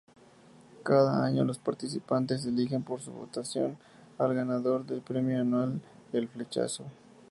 Cada año los participantes eligen por votación al ganador del premio anual "El Flechazo".